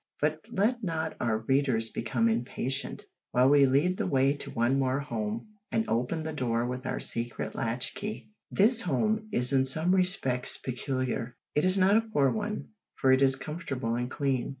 But let not our readers become impatient, while we lead the way to one more home, and open the door with our secret latch key. This home is in some respects peculiar. It is not a poor one, for it is comfortable and clean.